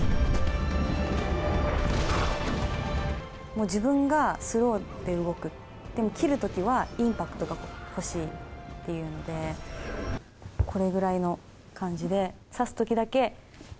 もう自分がスローで動く、でも斬るときはインパクトが欲しいっていうので、これぐらいの感じで、刺すときだけ、んっ！